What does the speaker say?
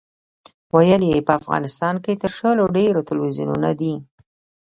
ویل یې په افغانستان کې تر شلو ډېر تلویزیونونه دي.